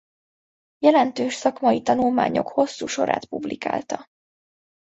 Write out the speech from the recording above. Jelentős szakmai tanulmányok hosszú sorát publikálta.